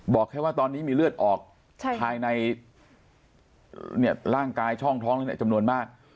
บอกแค่ว่าตอนนี้มีเลือดออกภายในร่างกายช่องท้องจำนวนมาก